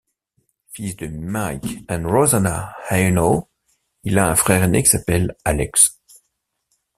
Fils de Mick et Rosanna Haenow, il a un frère aîné qui s'appelle Alex.